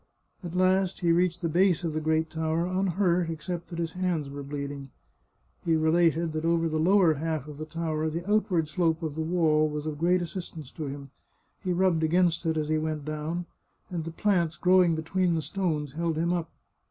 At last he reached the base of the great tower, unhurt, except that his hands were bleeding. He related that over the lower half of the tower the outward slope of the wall was of great assistance to him. He rubbed against it as he went down, and the plants growing between the stones held him up.